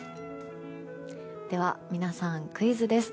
では、皆さんクイズです。